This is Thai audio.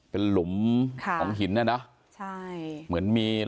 เป็นหลมขาของหินน่ะเนอะใช่เหมือนมีร่องตา